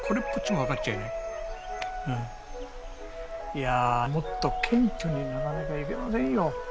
いやもっと謙虚にならなきゃいけませんよ。